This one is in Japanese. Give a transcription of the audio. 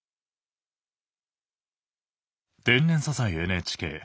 「天然素材ＮＨＫ」